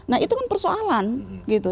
nah itu kan persoalan gitu